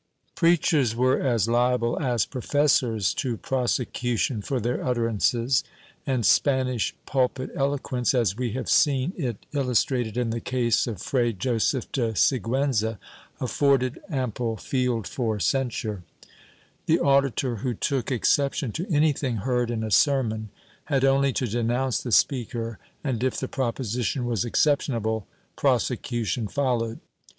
Preachers were as liable as professors to prosecution for their utterances, and Spanish pulpit eloquence, as we have seen it illus * Archive de Simancas, Inq., Leg. 552, fol. 1, Chap. VII] THE PULPIT I73 trated in the case of Fray Joseph de Sigiienza, afforded ample field for censure. The auditor who took exception to anything heard in a sermon had only to denounce the speaker and, if the proposition was exceptionable, prosecution followed.